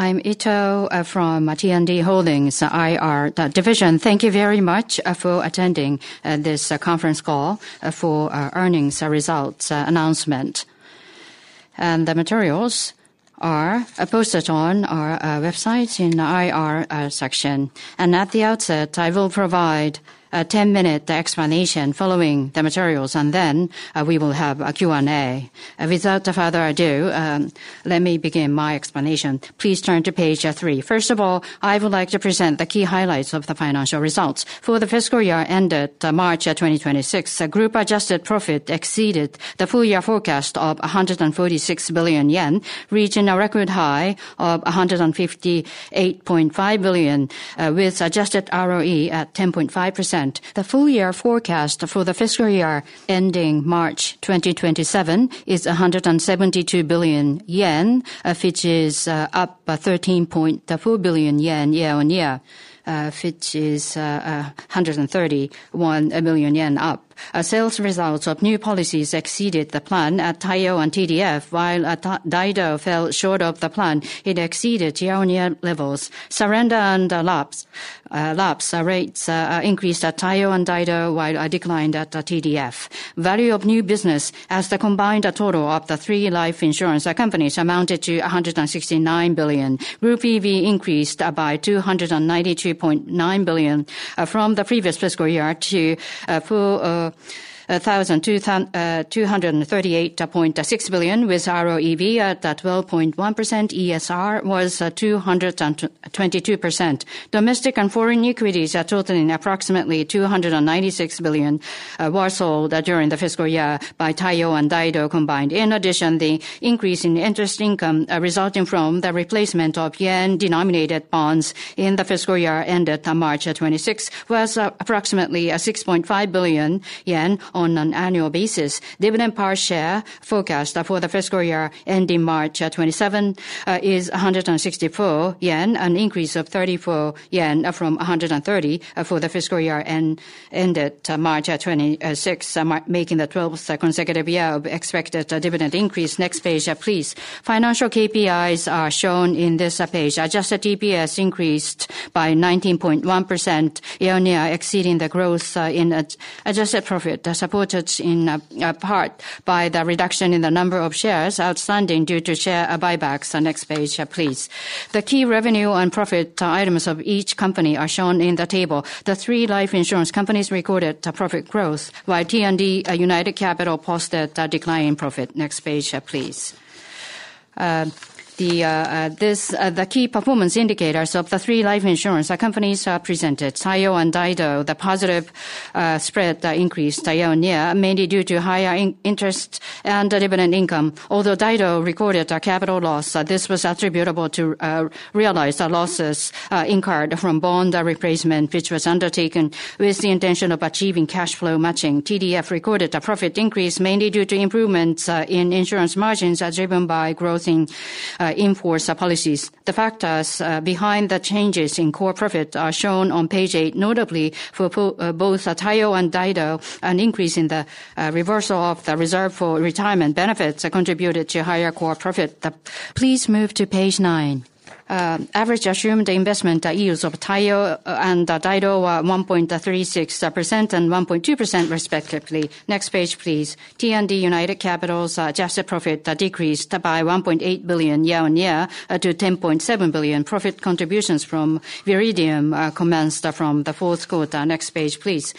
I'm Ito, from T&D Holdings IR division. Thank you very much for attending this conference call for our earnings results announcement. The materials are posted on our website in IR section. At the outset, I will provide a 10-minute explanation following the materials, then we will have a Q&A. Without further ado, let me begin my explanation. Please turn to page 3. First of all, I would like to present the key highlights of the financial results. For the fiscal year ended March 2026, group adjusted profit exceeded the full year forecast of 146 billion yen, reaching a record high of 158.5 billion, with adjusted ROE at 10.5%. The full year forecast for the fiscal year ending March 2027 is 172 billion yen, which is up 13.4 billion yen year-on-year, which is 131 million yen up. Our sales results of new policies exceeded the plan at Taiyo and TDF, while at Daido fell short of the plan. It exceeded year-on-year levels. Surrender and lapse rates increased at Taiyo and Daido, while declined at TDF. Value of new business as the combined total of the three life insurance companies amounted to 169 billion. Group EV increased by 292.9 billion from the previous fiscal year to 4,238.6 billion, with ROEV at 12.1%. ESR was 222%. Domestic and foreign equities totaling approximately 296 billion were sold during the fiscal year by Taiyo and Daido combined. In addition, the increase in interest income resulting from the replacement of yen-denominated bonds in the fiscal year ended March 2026 was approximately 6.5 billion yen on an annual basis. Dividend per share forecast for the fiscal year ending March 2027 is 164 yen, an increase of 34 yen from 130 for the fiscal year ended March 2026, making the 12th consecutive year of expected dividend increase. Next page, please. Financial KPIs are shown in this page. Adjusted EPS increased by 19.1% year-on-year, exceeding the growth in adjusted profit, supported in part by the reduction in the number of shares outstanding due to share buybacks. Next page, please. The key revenue and profit items of each company are shown in the table. The three life insurance companies recorded a profit growth, while T&D United Capital posted a decline in profit. Next page, please. The key performance indicators of the three life insurance companies are presented. Taiyo and Daido, the positive spread increased year-on-year, mainly due to higher in-interest and dividend income. Although Daido recorded a capital loss, this was attributable to realized losses incurred from bond replacement, which was undertaken with the intention of achieving cash flow matching. TDF recorded a profit increase mainly due to improvements in insurance margins as driven by growth in in-force policies. The factors behind the changes in core profit are shown on page 8. Notably for both Taiyo and Daido, an increase in the reversal of the reserve for retirement benefits contributed to higher core profit. Please move to page 9. Average assumed investment yields of Taiyo and Daido are 1.36% and 1.2% respectively. Next page, please. T&D United Capital's adjusted profit decreased by 1.8 billion year-on-year to 10.7 billion. Profit contributions from Viridium commenced from the fourth quarter. Next page, please.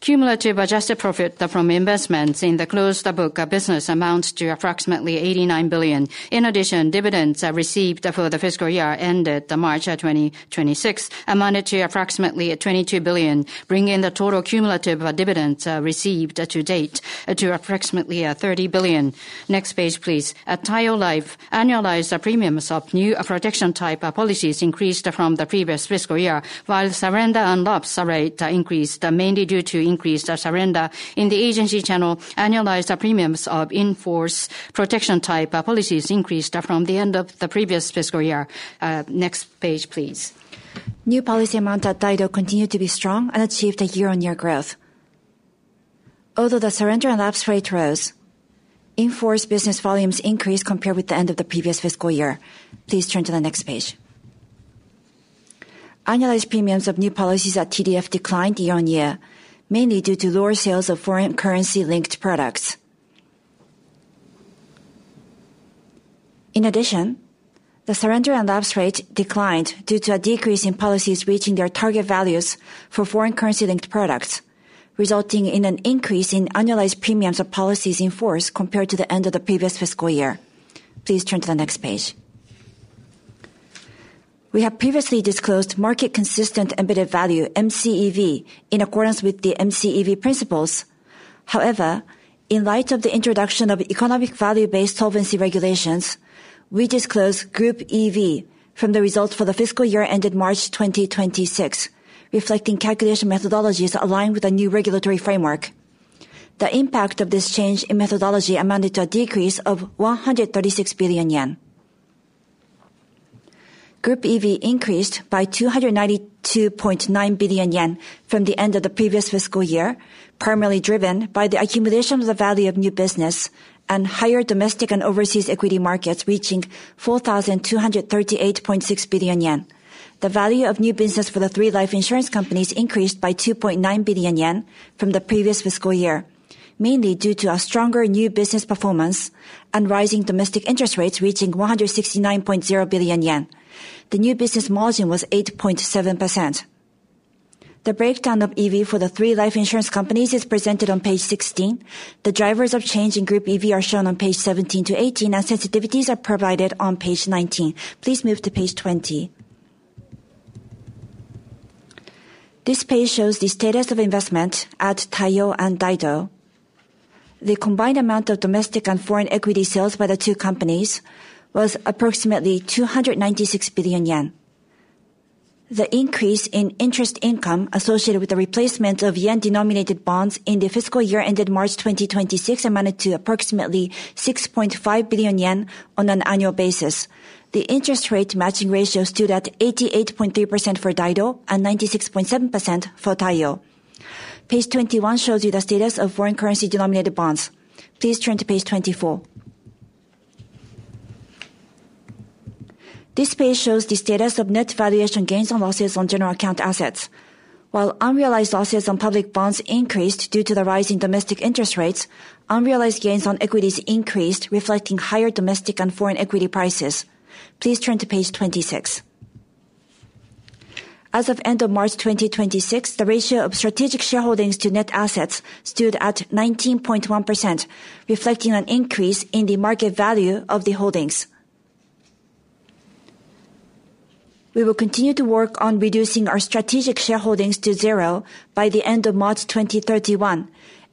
Cumulative adjusted profit from investments in the closed book business amounts to approximately 89 billion. In addition, dividends received for the fiscal year ended March 2026 amounted to approximately 22 billion, bringing the total cumulative dividends received to date to approximately 30 billion. Next page, please. At Taiyo Life, annualized premiums of new protection-type policies increased from the previous fiscal year, while surrender and lapse rate increased mainly due to increased surrender in the agency channel. Annualized premiums of in-force protection-type policies increased from the end of the previous fiscal year. Next page, please. New policy amount at Daido continued to be strong and achieved a year-on-year growth. The surrender and lapse rate rose, in-force business volumes increased compared with the end of the previous fiscal year. Please turn to the next page. Annualized premiums of new policies at TDF declined year-on-year, mainly due to lower sales of foreign currency-linked products. The surrender and lapse rate declined due to a decrease in policies reaching their target values for foreign currency-linked products, resulting in an increase in annualized premiums of policies in force compared to the end of the previous fiscal year. Please turn to the next page. We have previously disclosed market-consistent embedded value, MCEV, in accordance with the MCEV principles. In light of the introduction of economic value-based solvency regulations, we disclose Group EV from the results for the fiscal year ended March 2026, reflecting calculation methodologies aligned with the new regulatory framework. The impact of this change in methodology amounted to a decrease of 136 billion yen. Group EV increased by 292.9 billion yen from the end of the previous fiscal year, primarily driven by the accumulation of the value of new business and higher domestic and overseas equity markets reaching 4,238.6 billion yen. The value of new business for the three life insurance companies increased by 2.9 billion yen from the previous fiscal year, mainly due to a stronger new business performance and rising domestic interest rates reaching 169.0 billion yen. The new business margin was 8.7%. The breakdown of EV for the three life insurance companies is presented on page 16. The drivers of change in Group EV are shown on page 17-18, and sensitivities are provided on page 19. Please move to page 20. This page shows the status of investment at Taiyo and Daido. The combined amount of domestic and foreign equity sales by the two companies was approximately 296 billion yen. The increase in interest income associated with the replacement of yen-denominated bonds in the fiscal year ended March 2026 amounted to approximately 6.5 billion yen on an annual basis. The interest rate matching ratio stood at 88.3% for Daido and 96.7% for Taiyo. Page 21 shows you the status of foreign currency-denominated bonds. Please turn to page 24. This page shows the status of net valuation gains on losses on general account assets. While unrealized losses on public bonds increased due to the rise in domestic interest rates, unrealized gains on equities increased, reflecting higher domestic and foreign equity prices. Please turn to page 26. As of end of March 2026, the ratio of strategic shareholdings to net assets stood at 19.1%, reflecting an increase in the market value of the holdings. We will continue to work on reducing our strategic shareholdings to 0% by the end of March 2031,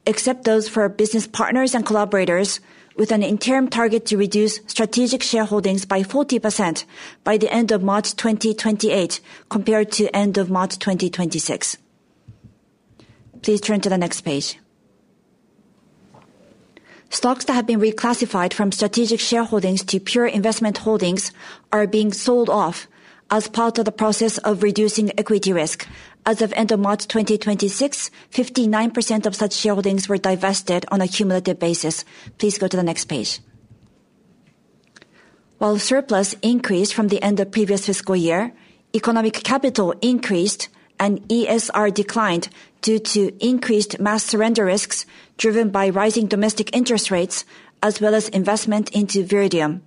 except those for our business partners and collaborators, with an interim target to reduce strategic shareholdings by 40% by the end of March 2028 compared to end of March 2026. Please turn to the next page. Stocks that have been reclassified from strategic shareholdings to pure investment holdings are being sold off as part of the process of reducing equity risk. As of end of March 2026, 59% of such shareholdings were divested on a cumulative basis. Please go to the next page. While surplus increased from the end of previous fiscal year, economic capital increased and ESR declined due to increased mass surrender risks driven by rising domestic interest rates as well as investment into Viridium.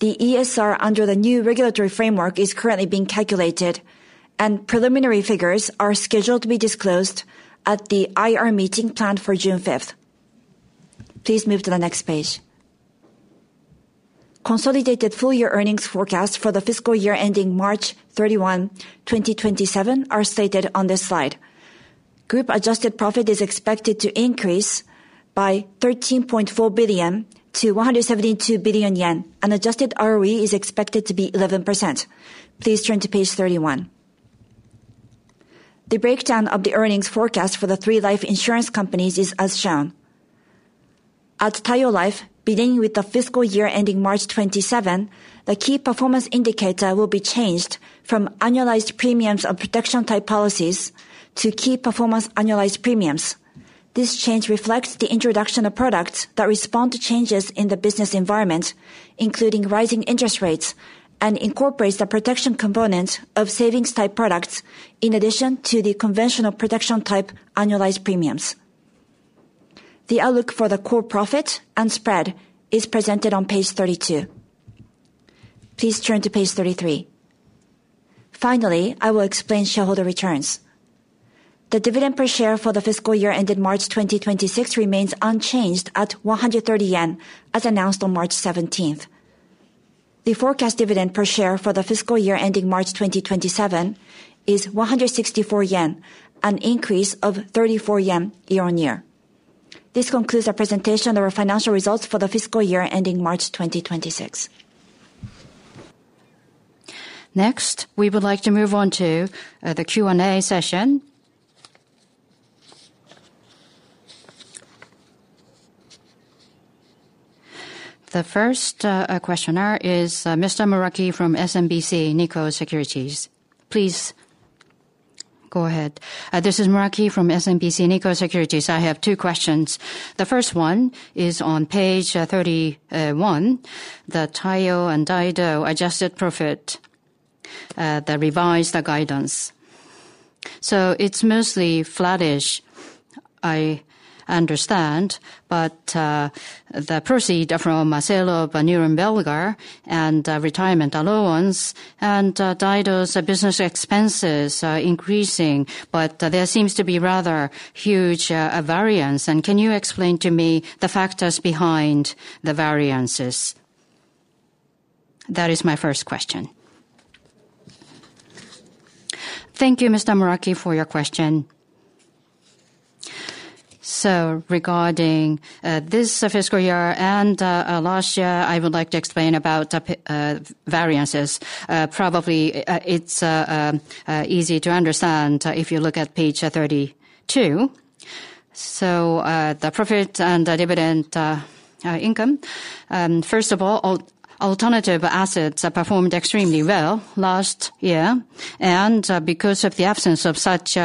The ESR under the new regulatory framework is currently being calculated, and preliminary figures are scheduled to be disclosed at the IR meeting planned for June 5th. Please move to the next page. Consolidated full-year earnings forecast for the fiscal year ending March 31, 2027 are stated on this slide. Group adjusted profit is expected to increase by 13.4 billion-172 billion yen, and adjusted ROE is expected to be 11%. Please turn to page 31. The breakdown of the earnings forecast for the three life insurance companies is as shown. At Taiyo Life, beginning with the fiscal year ending March 27, the key performance indicator will be changed from annualized premiums of protection-type policies to key performance annualized premiums. This change reflects the introduction of products that respond to changes in the business environment, including rising interest rates, and incorporates the protection component of savings-type products in addition to the conventional protection-type annualized premiums. The outlook for the core profit and spread is presented on page 32. Please turn to page 33. I will explain shareholder returns. The dividend per share for the fiscal year ended March 2026 remains unchanged at 130 yen, as announced on March 17th. The forecast dividend per share for the fiscal year ending March 2027 is 164 yen, an increase of 34 yen year-on-year. This concludes our presentation of our financial results for the fiscal year ending March 2026. Next, we would like to move on to the Q&A session. The first questioner is Mr. Muraki from SMBC Nikko Securities. Please go ahead. This is Muraki from SMBC Nikko Securities. I have two questions. The first one is on page 31, the Taiyo and Daido adjusted profit that revised the guidance. It's mostly flattish, I understand, but the proceed from sale of New York Belger and retirement allowance and Daido's business expenses are increasing, but there seems to be rather huge variance. Can you explain to me the factors behind the variances? That is my first question. Thank you, Mr. Muraki, for your question. Regarding this fiscal year and last year, I would like to explain about the variances. Probably, it's easy to understand if you look at page 32. The profit and the dividend... ...income. First of all, alternative assets have performed extremely well last year. Because of the absence of such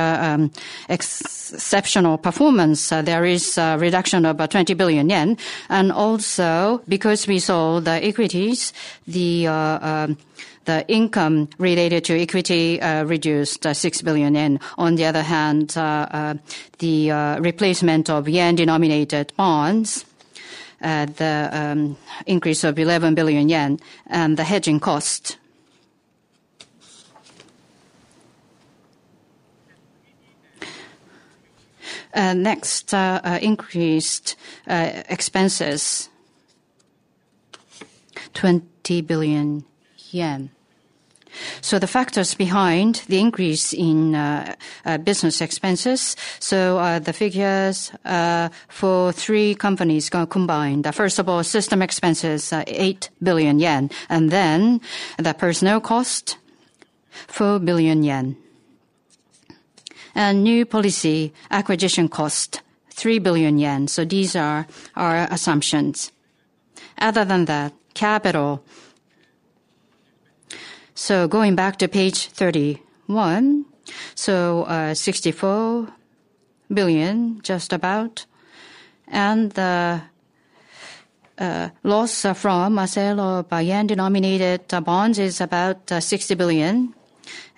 exceptional performance, there is a reduction of 20 billion yen. Also because we sold the equities, the income related to equity reduced 6 billion yen. On the other hand, the replacement of yen-denominated bonds, the increase of 11 billion yen and the hedging cost. Next, increased expenses. JPY 20 billion. The factors behind the increase in business expenses. The figures for three companies co-combined. First of all, system expenses, 8 billion yen, and then the personnel cost, 4 billion yen. New policy acquisition cost, 3 billion yen. These are our assumptions. Other than that, capital. Going back to page 31. 64 billion just about, and the loss from sale of yen-denominated bonds is about 60 billion.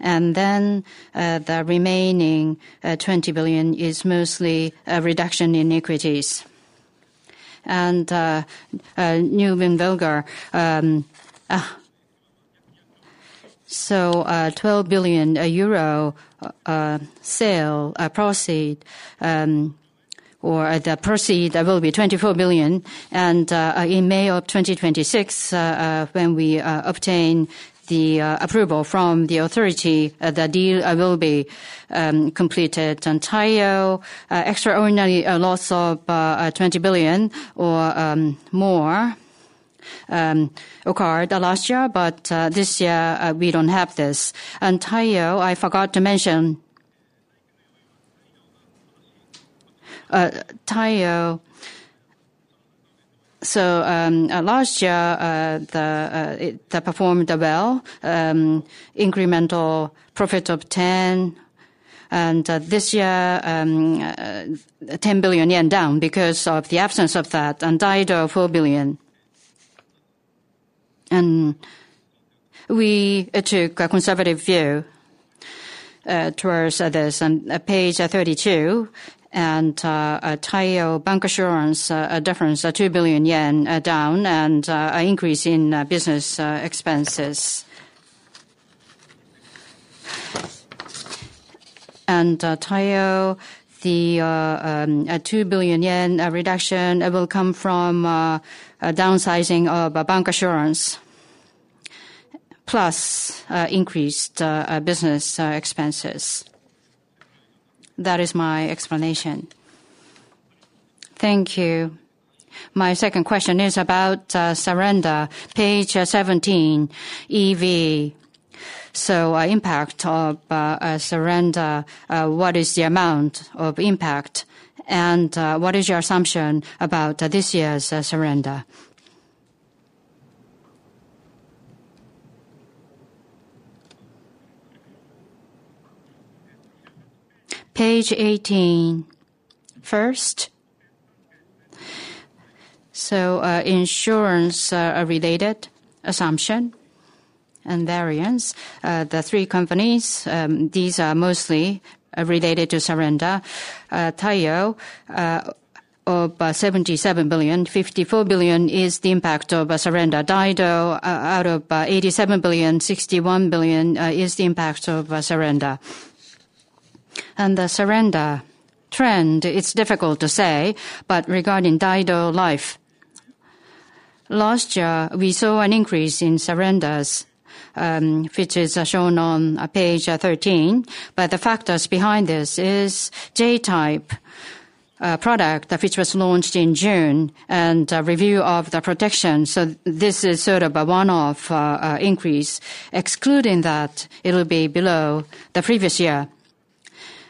The remaining 20 billion is mostly a reduction in equities. Viridium Group, EUR 12 billion sale proceed, or the proceed that will be 24 billion. In May of 2026, when we obtain the approval from the authority, the deal will be completed. Taiyo, extraordinary loss of 20 billion or more, occurred last year. This year, we don't have this. Taiyo, I forgot to mention. Taiyo, last year, they performed well, incremental profit of 10. This year, 10 billion yen down because of the absence of that. Daido, 4 billion. We took a conservative view towards this. Page 32, Taiyo bancassurance, difference of 2 billion yen down and increase in business expenses. Taiyo, JPY 2 billion reduction will come from a downsizing of bancassurance, plus increased business expenses. That is my explanation. Thank you. My second question is about surrender. Page 17, EV. Impact of surrender, what is the amount of impact and what is your assumption about this year's surrender? Page 18. First, insurance related assumption and variance. The 3 companies, these are mostly related to surrender. Taiyo of 77 billion, 54 billion is the impact of a surrender. Daido out of 87 billion, 61 billion is the impact of a surrender. The surrender trend, it's difficult to say, but regarding Daido Life, last year, we saw an increase in surrenders, which is shown on page 13. The factors behind this is J-type product, which was launched in June and a review of the protection. This is sort of a one-off increase. Excluding that, it'll be below the previous year.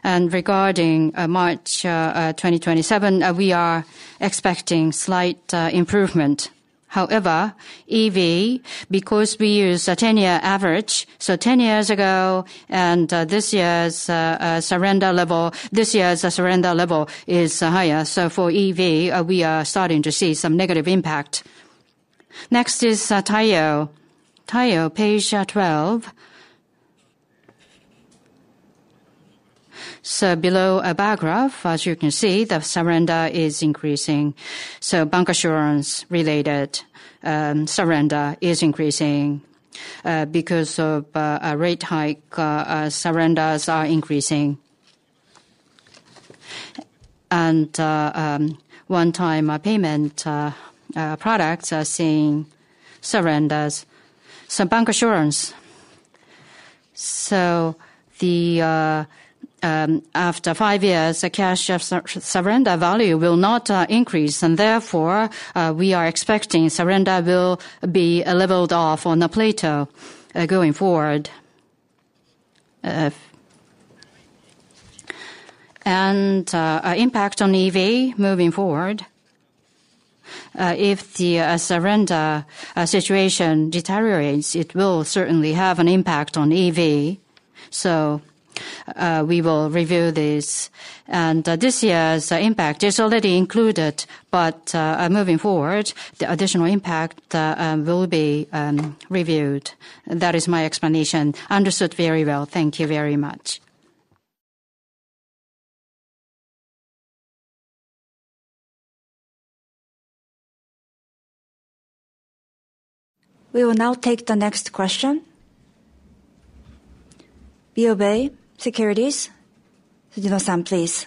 Regarding March 2027, we are expecting slight improvement. EV, because we use a 10-year average, 10 years ago and this year's surrender level, this year's surrender level is higher. For EV, we are starting to see some negative impact. Next is Taiyo. Taiyo, page 12. Below a bar graph, as you can see, the surrender is increasing. Bancassurance related surrender is increasing because of a rate hike, surrenders are increasing. One-time payment products are seeing surrenders. Bancassurance. The after five years, the cash surrender value will not increase, and therefore, we are expecting surrender will be leveled off on a plateau going forward. Our impact on EV moving forward, if the surrender situation deteriorates, it will certainly have an impact on EV. We will review this. This year's impact is already included, but moving forward, the additional impact will be reviewed. That is my explanation. Understood very well. Thank you very much. We will now take the next question. BofA Securities, Tsujino-san, please.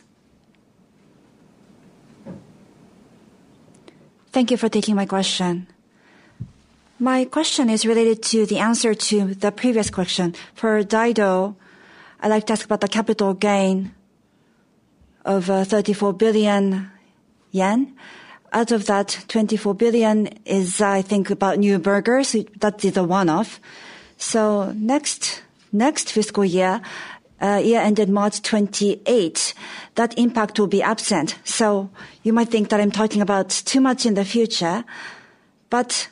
Thank you for taking my question. My question is related to the answer to the previous question. For Daido, I'd like to ask about the capital gain of 34 billion yen. Out of that, 24 billion is, I think, about new business. That is a one-off. Next, next fiscal year-ended March 28, that impact will be absent. You might think that I'm talking about too much in the future, but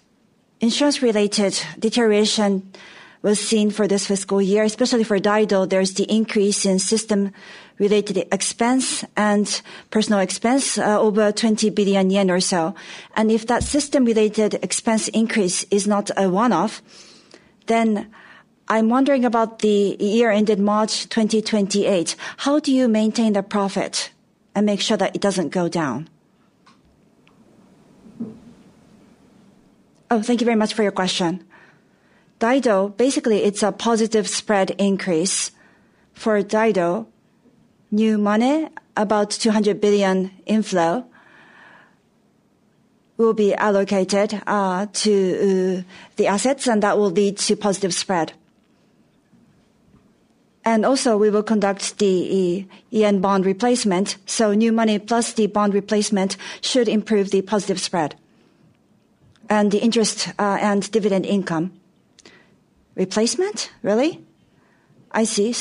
insurance-related deterioration was seen for this fiscal year. Especially for Daido, there is the increase in system-related expense and personal expense, over 20 billion yen or so. If that system-related expense increase is not a one-off, I'm wondering about the year ended March 2028. How do you maintain the profit and make sure that it doesn't go down? Thank you very much for your question. Daido, basically, it is a positive spread increase. For Daido, new money, about 200 billion inflow, will be allocated to the assets, and that will lead to positive spread. We will conduct the yen bond replacement, new money plus the bond replacement should improve the positive spread and the interest and dividend income. Replacement, really? I see.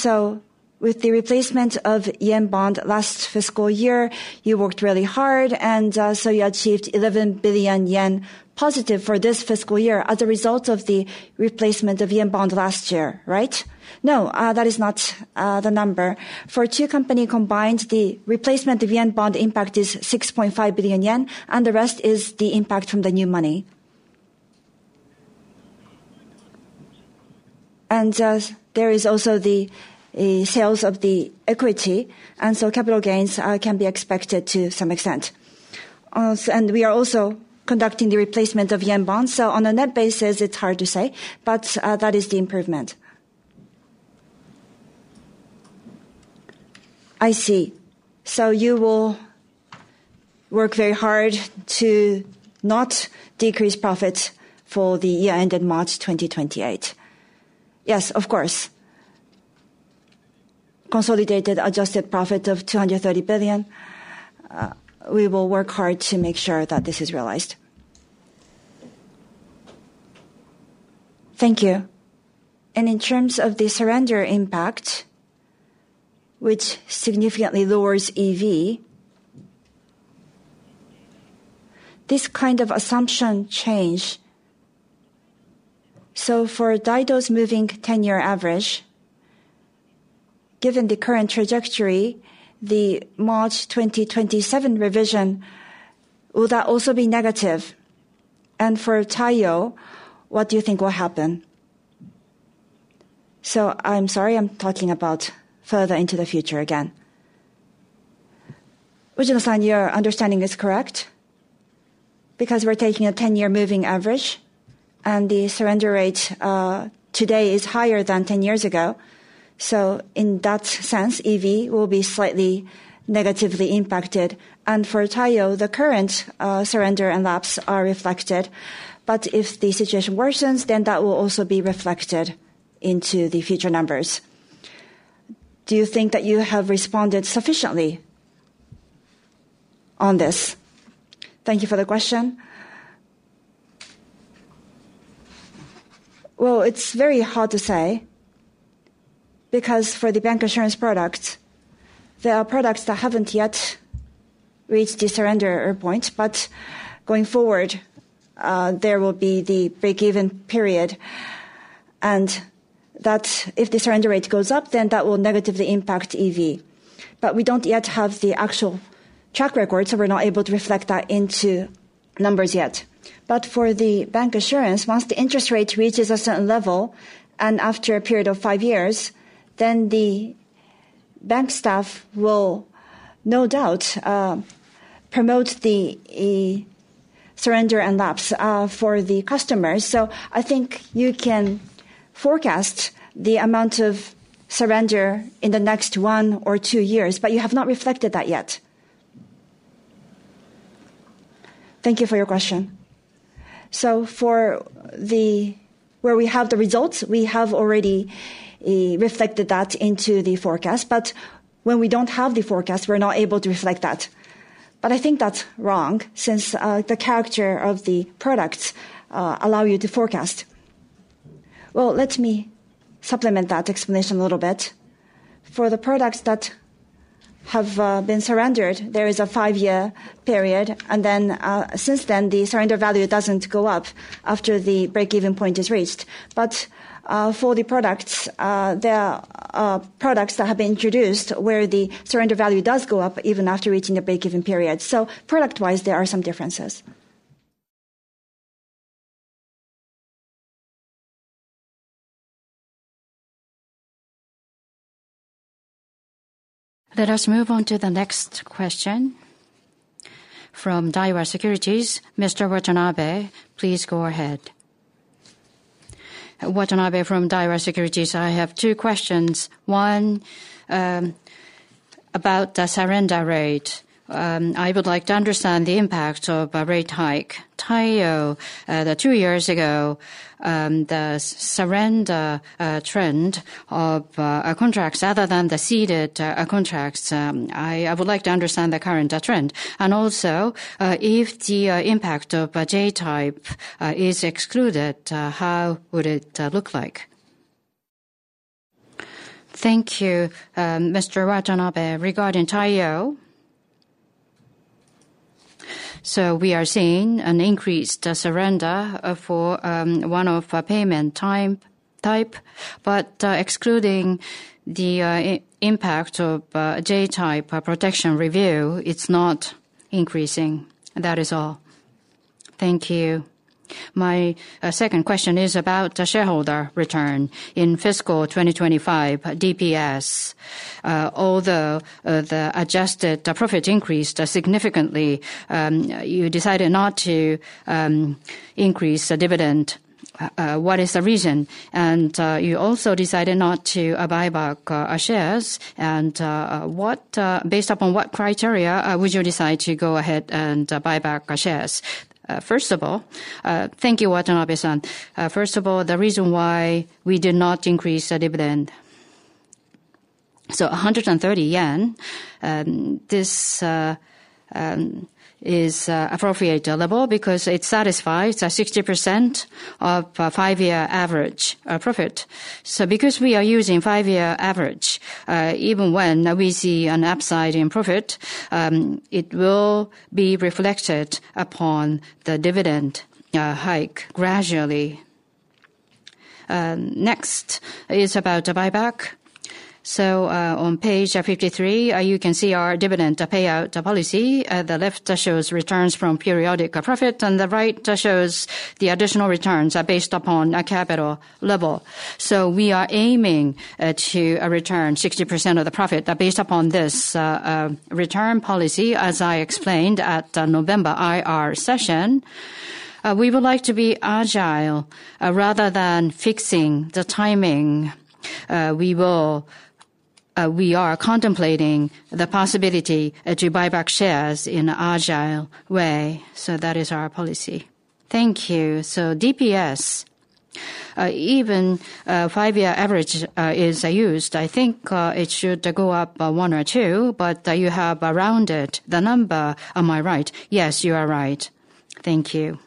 With the replacement of yen bond last fiscal year, you worked really hard and you achieved 11 billion yen positive for this fiscal year as a result of the replacement of yen bond last year, right? No, that is not the number. For two company combined, the replacement of yen bond impact is 6.5 billion yen, the rest is the impact from the new money. There is also the sales of the equity, capital gains can be expected to some extent. We are also conducting the replacement of yen bonds, on a net basis, it's hard to say. That is the improvement. I see. You will work very hard to not decrease profits for the year ended March 2028? Yes, of course. Consolidated adjusted profit of 230 billion, we will work hard to make sure that this is realized. Thank you. In terms of the surrender impact, which significantly lowers EV, this kind of assumption change, for Daido Life's moving 10-year average, given the current trajectory, the March 2027 revision, will that also be negative? For Taiyo, what do you think will happen? I'm sorry I'm talking about further into the future again. Tsujino-san, your understanding is correct. We're taking a 10-year moving average and the surrender rate, today is higher than 10 years ago. In that sense, EV will be slightly negatively impacted. For Taiyo, the current surrender and lapse are reflected. If the situation worsens, that will also be reflected into the future numbers. Do you think that you have responded sufficiently on this? Thank you for the question. It's very hard to say because for the bancassurance products, there are products that haven't yet reached the surrender point. Going forward, there will be the break-even period and that if the surrender rate goes up, then that will negatively impact EV. We don't yet have the actual track record, so we're not able to reflect that into numbers yet. For the bancassurance, once the interest rate reaches a certain level and after a period of five years, the bank staff will no doubt promote the surrender and lapse for the customers. I think you can forecast the amount of surrender in the next one or two years, but you have not reflected that yet. Thank you for your question. Where we have the results, we have already reflected that into the forecast. When we don't have the forecast, we're not able to reflect that. I think that's wrong since the character of the products allow you to forecast. Let me supplement that explanation a little bit. For the products that have been surrendered, there is a five-year period, and then, since then, the surrender value doesn't go up after the break-even point is reached. For the products, there are products that have been introduced where the surrender value does go up even after reaching a break-even period. Product-wise, there are some differences. Let us move on to the next question from Daiwa Securities. Mr. Watanabe, please go ahead. Watanabe from Daiwa Securities. I have two questions. One, about the surrender rate. I would like to understand the impact of a rate hike. Taiyo, the two years ago, the surrender trend of our contracts other than the ceded contracts, I would like to understand the current trend. Also, if the impact of a J-type is excluded, how would it look like? Thank you, Mr. Watanabe. Regarding Taiyo, we are seeing an increased surrender for one-off payment type. Excluding the impact of J-type protection review, it's not increasing. That is all. Thank you. My second question is about the shareholder return. In fiscal 2025 DPS, although the adjusted profit increased significantly, you decided not to increase the dividend. What is the reason? You also decided not to buy back shares. Based upon what criteria would you decide to go ahead and buy back our shares? First of all, thank you, Watanabe-san. First of all, the reason why we did not increase the dividend. 130 yen, this is appropriate level because it satisfies 60% of five-year average profit. Because we are using five-year average, even when we see an upside in profit, it will be reflected upon the dividend hike gradually. Next is about the buyback. On page 53, you can see our dividend payout policy. The left shows returns from periodic profit, and the right shows the additional returns are based upon a capital level. We are aiming to return 60% of the profit. Based upon this, return policy, as I explained at November IR session, we would like to be agile rather than fixing the timing. We are contemplating the possibility to buy back shares in a agile way. That is our policy. Thank you. DPS, even, five-year average, is used, I think, it should go up, one or two, but, you have rounded the number. Am I right? Yes, you are right. Thank you.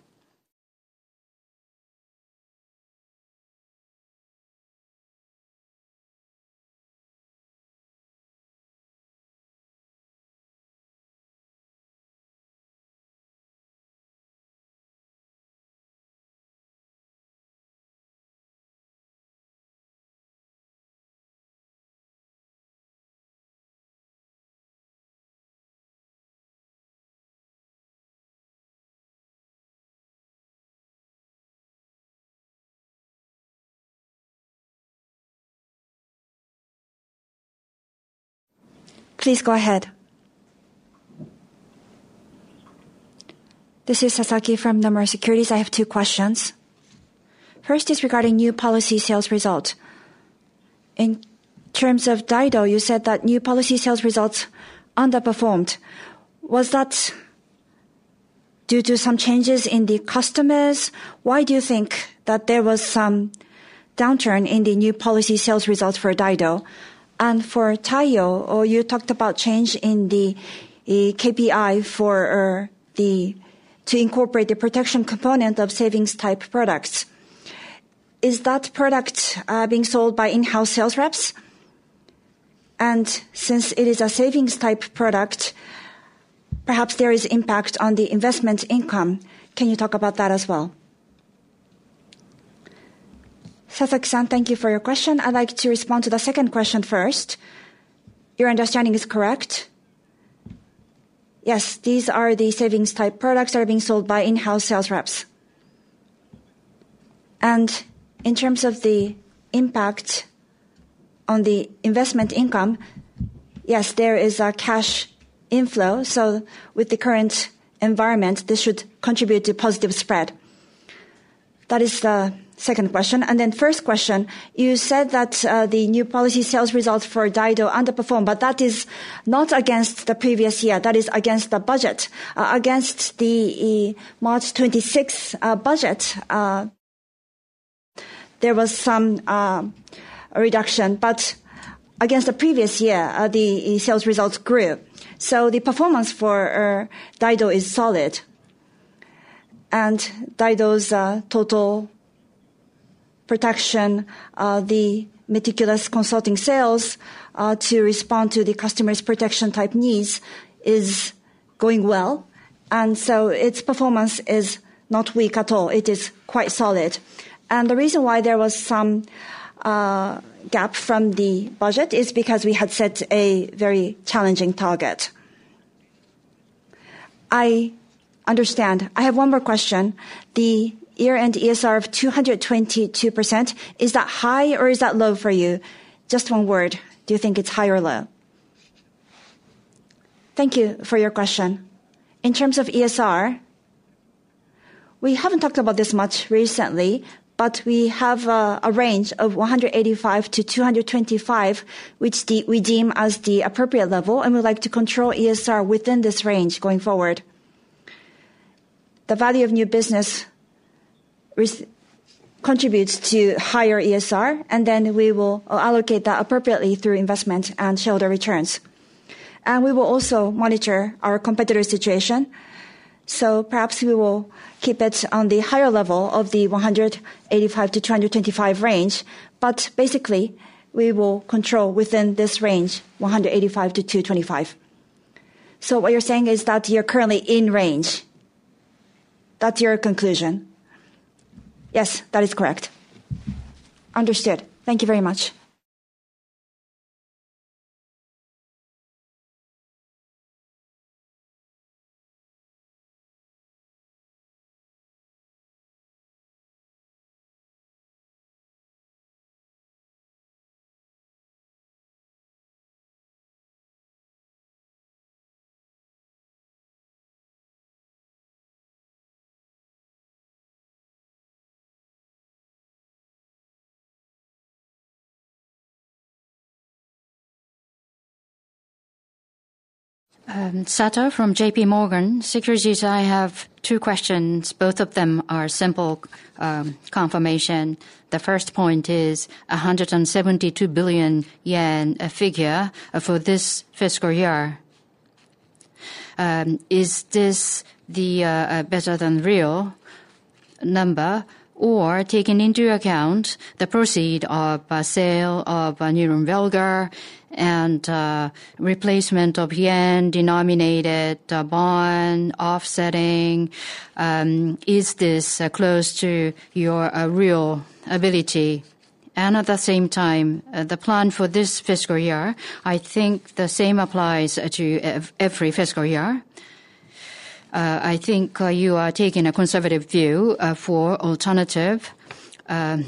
Please go ahead. This is Sasaki from Nomura Securities. I have two questions. First is regarding new policy sales result. In terms of Daido, you said that new policy sales results underperformed. Was that due to some changes in the customers? Why do you think that there was some downturn in the new policy sales results for Daido? For Taiyo, you talked about change in the KPI to incorporate the protection component of savings-type products. Is that product being sold by in-house sales reps? Since it is a savings-type product, perhaps there is impact on the investment income. Can you talk about that as well? Sasaki-san, thank you for your question. I'd like to respond to the second question first. Your understanding is correct. Yes, these are the savings-type products that are being sold by in-house sales reps. In terms of the impact on the investment income, yes, there is a cash inflow, so with the current environment, this should contribute to positive spread. That is the second question. First question, you said that the new policy sales results for Daido underperformed, but that is not against the previous year, that is against the budget. Against the March 26 budget, there was some reduction. Against the previous year, the sales results grew. The performance for Daido is solid. Daido's total protection, the meticulous consulting sales to respond to the customer's protection type needs is going well. Its performance is not weak at all. It is quite solid. The reason why there was some gap from the budget is because we had set a very challenging target. I understand. I have one more question. The year-end ESR of 222%, is that high or is that low for you? Just one word. Do you think it's high or low? Thank you for your question. In terms of ESR, we haven't talked about this much recently, but we have a range of 185%-225%, which we deem as the appropriate level, and we'd like to control ESR within this range going forward. The value of new business contributes to higher ESR, and then we will allocate that appropriately through investment and shareholder returns. We will also monitor our competitor situation, so perhaps we will keep it on the higher level of the 185%-225% range. Basically, we will control within this range, 185%-225%. What you're saying is that you're currently in range? That's your conclusion? Yes, that is correct. Understood. Thank you very much. Sato from JPMorgan Securities. I have two questions, both of them are simple confirmation. The first point is a 172 billion yen figure for this fiscal year. Is this the better-than-real number or taking into account the proceed of sale of New York Belger and replacement of yen-denominated bond offsetting, is this close to your real ability? At the same time, the plan for this fiscal year, I think the same applies to every fiscal year. I think you are taking a conservative view for alternative and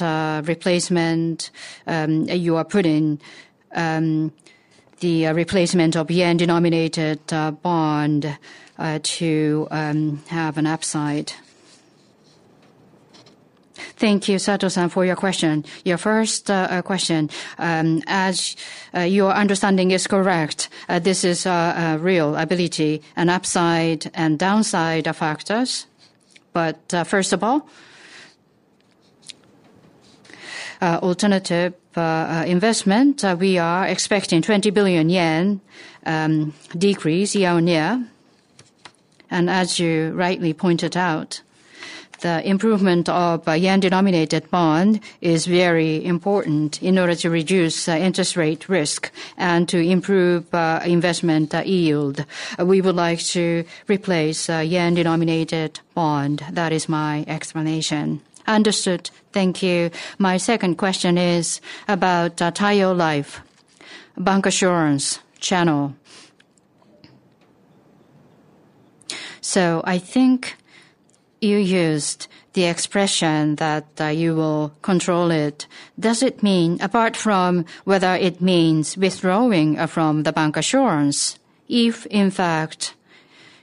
replacement, you are putting the replacement of yen-denominated bond to have an upside. Thank you, Sato-san, for your question. Your first question, as your understanding is correct, this is a real ability, an upside and downside of factors. First of all, alternative investment, we are expecting 20 billion yen decrease year-on-year. As you rightly pointed out, the improvement of a yen-denominated bond is very important in order to reduce interest rate risk and to improve investment yield. We would like to replace a yen-denominated bond. That is my explanation. Understood. Thank you. My second question is about Taiyo Life bancassurance channel. I think you used the expression that you will control it. Does it mean, apart from whether it means withdrawing from the bancassurance, if in fact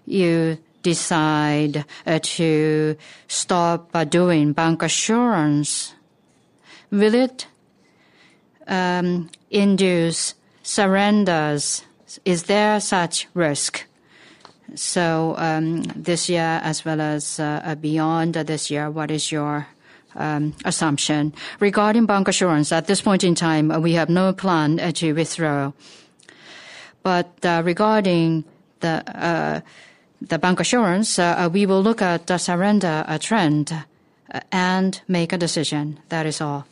you decide to stop doing bancassurance, will it induce surrenders? Is there such risk? This year as well as beyond this year, what is your assumption? Regarding bancassurance, at this point in time, we have no plan to withdraw. Regarding the bancassurance, we will look at the surrender trend and make a decision. That is all.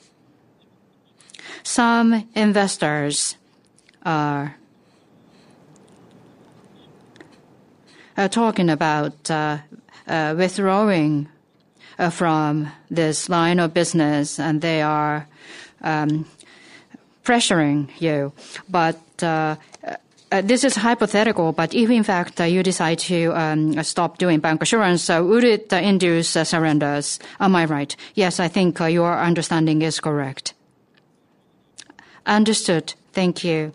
Some investors are talking about withdrawing from this line of business, and they are pressuring you. This is hypothetical, but if in fact, you decide to stop doing bancassurance, so would it induce surrenders? Am I right? Yes, I think, your understanding is correct. Understood. Thank you.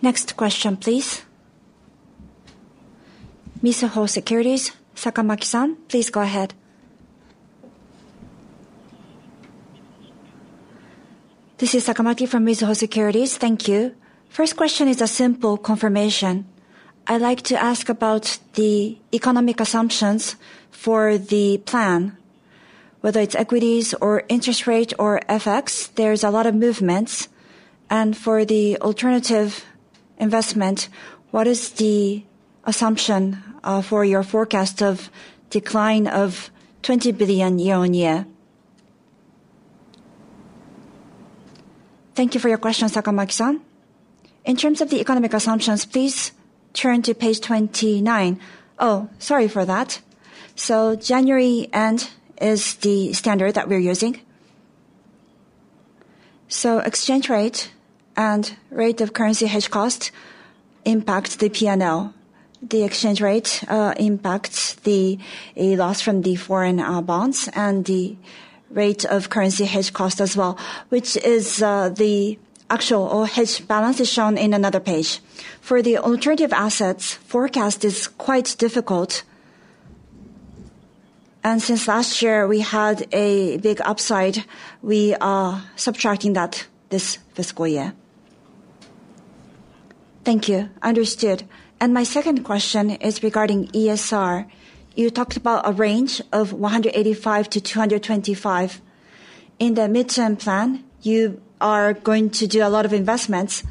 Next question, please. Mizuho Securities, Sakamaki-san, please go ahead. This is Sakamaki from Mizuho Securities. Thank you. First question is a simple confirmation. I'd like to ask about the economic assumptions for the plan, whether it's equities or interest rate or FX. There's a lot of movements. For the alternative investment, what is the assumption for your forecast of decline of 20 billion year-on-year? Thank you for your question, Sakamaki-san. In terms of the economic assumptions, please turn to page 29. Sorry for that. January end is the standard that we're using. Exchange rate and rate of currency hedge cost impact the P&L. The exchange rate impacts a loss from the foreign bonds and the rate of currency hedge cost as well, which is the actual or hedge balance is shown in another page. For the alternative assets, forecast is quite difficult. Since last year we had a big upside, we are subtracting that this fiscal year. Thank you. Understood. My second question is regarding ESR. You talked about a range of 185%-225%. In the midterm plan, you are going to do a lot of investments.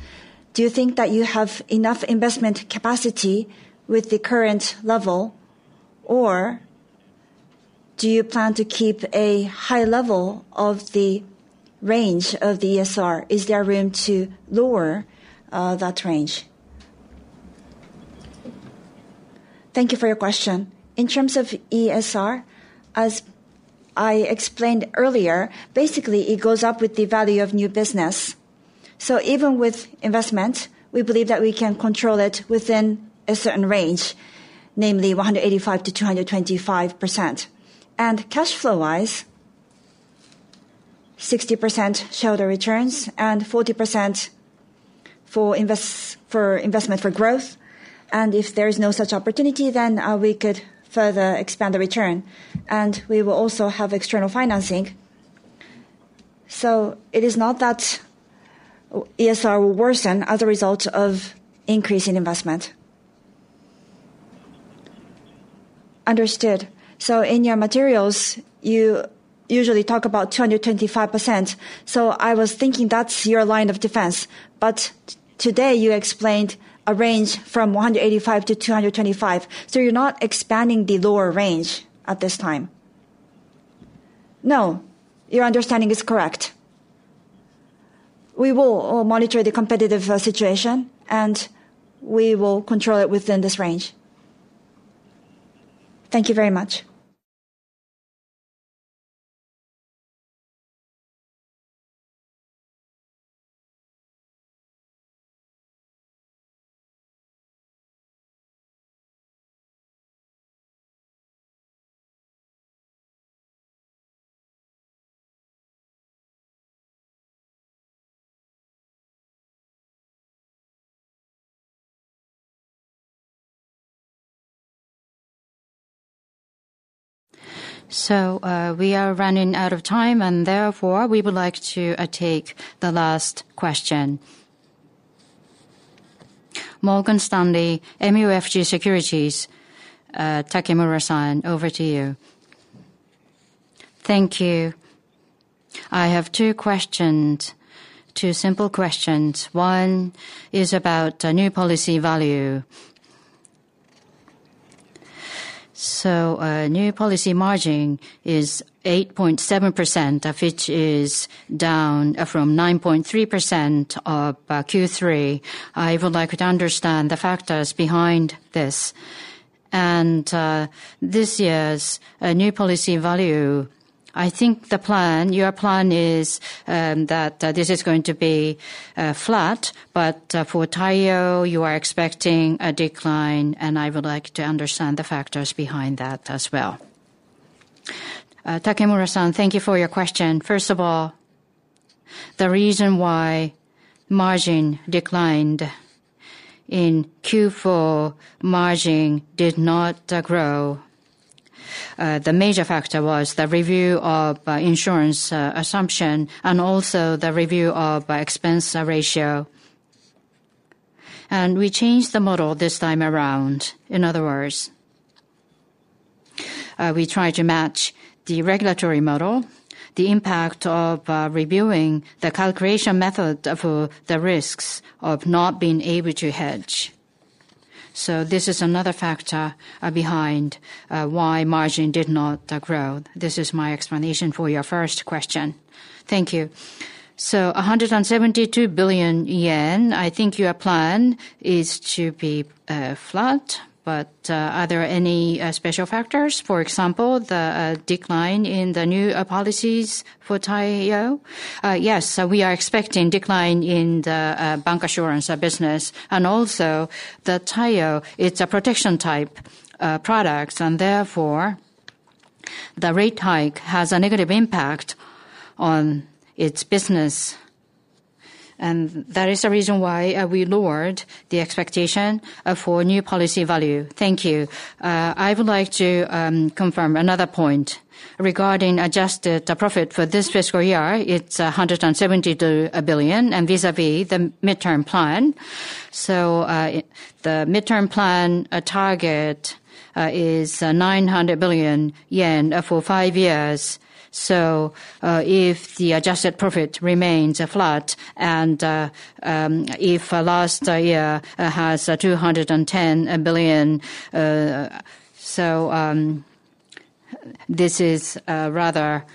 Do you think that you have enough investment capacity with the current level? Or do you plan to keep a high level of the range of the ESR? Is there room to lower that range? Thank you for your question. In terms of ESR, as I explained earlier, basically it goes up with the value of new business. Even with investment, we believe that we can control it within a certain range, namely 185%-225%. Cash flow-wise, 60% shareholder returns and 40% for investment for growth. If there is no such opportunity, then we could further expand the return. We will also have external financing. It is not that ESR will worsen as a result of increase in investment. Understood. In your materials, you usually talk about 225%, so I was thinking that's your line of defense. Today you explained a range from 185%-225%, so you're not expanding the lower range at this time. No, your understanding is correct. We will monitor the competitive situation, and we will control it within this range. Thank you very much. We are running out of time, and therefore, we would like to take the last question. Morgan Stanley MUFG Securities, Takemura-san, over to you. Thank you. I have two questions, two simple questions. One is about new policy value. New policy margin is 8.7%, of which is down from 9.3% by Q3. I would like to understand the factors behind this. This year's new policy value, I think the plan, your plan is that this is going to be flat. For Taiyo, you are expecting a decline, and I would like to understand the factors behind that as well. Takemura-san, thank you for your question. First of all, the reason why margin declined. In Q4, margin did not grow. The major factor was the review of insurance assumption and also the review of expense ratio. We changed the model this time around. In other words, we tried to match the regulatory model, the impact of reviewing the calculation method of the risks of not being able to hedge. This is another factor behind why margin did not grow. This is my explanation for your first question. Thank you. 172 billion yen, I think your plan is to be flat. Are there any special factors? For example, the decline in the new policies for Taiyo? Yes. We are expecting decline in the bancassurance business. Also the Taiyo, it's a protection type products, and therefore the rate hike has a negative impact on its business. That is the reason why we lowered the expectation for new policy value. Thank you. I would like to confirm another point. Regarding adjusted profit for this fiscal year, it's 172 billion, and vis-à-vis the midterm plan. The midterm plan target is 900 billion yen for five years. If the adjusted profit remains flat and if last year has 210 billion, this is a rather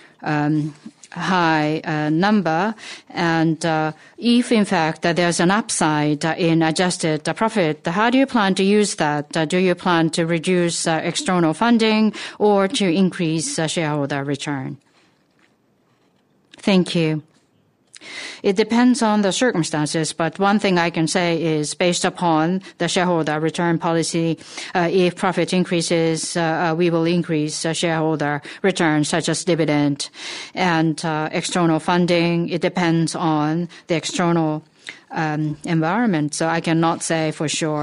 high number. If in fact there's an upside in adjusted profit, how do you plan to use that? Do you plan to reduce external funding or to increase shareholder return? Thank you. It depends on the circumstances, but one thing I can say is based upon the shareholder return policy, if profit increases, we will increase shareholder returns such as dividend. External funding, it depends on the external environment, so I cannot say for sure.